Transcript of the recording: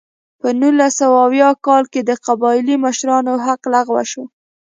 په نولس سوه اویا کال کې د قبایلي مشرانو حق لغوه شو.